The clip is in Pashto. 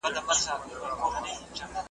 نه به لاس د چا گرېوان ته ور رسېږي .